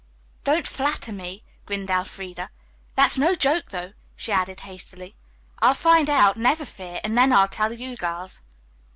"Don't flatter me," grinned Elfreda. "That's no joke, though," she added hastily. "I'll find out, never fear, and then I'll tell you girls."